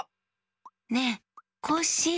ねえコッシー！